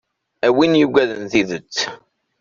A win yuggaden tidet.